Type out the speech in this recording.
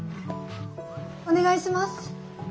お願いします。